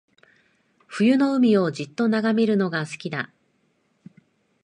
冬の海をじっと眺めるのが好きだ